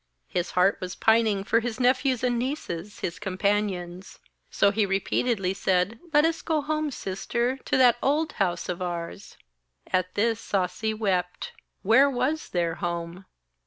His heart was pining for his nephews and nieces, his companions. So he repeatedly said: 'Let us go home, sister, to that old house of ours.' At this Sasi wept. Where was their home?